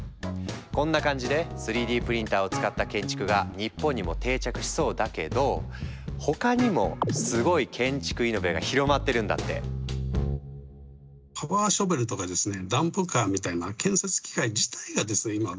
こんな感じで３Ｄプリンターを使った建築が日本にも定着しそうだけど他にもすごい建築イノベが広まってるんだって。ということが言えますね。